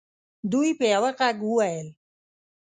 دوی په یوه ږغ وویل.